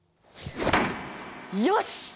よし！